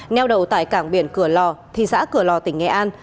nèo đầu tại cảng biển cửa lò thị xã cửa lò tỉnh nghệ an